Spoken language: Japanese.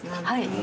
はい。